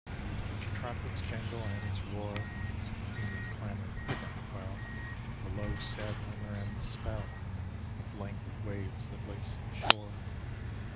The traffic's jangle and its roar And human clamour could not quell The low sad murmur and the spell Of languid waves that laced the shore.